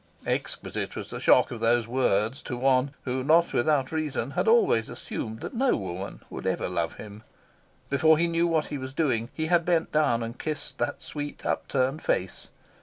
Exquisite was the shock of these words to one who, not without reason, had always assumed that no woman would ever love him. Before he knew what he was doing, he had bent down and kissed the sweet upturned face.